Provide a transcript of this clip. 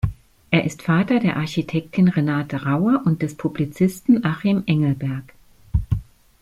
Er ist Vater der Architektin Renate Rauer und des Publizisten Achim Engelberg.